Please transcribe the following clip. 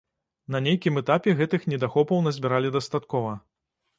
На нейкім этапе гэтых недахопаў назбіралі дастаткова.